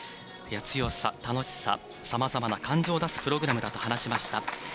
強さ、楽しささまざまな感情を出すプログラムだと話しました。